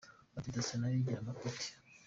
Ati “ Dasso nayo igira amapeti.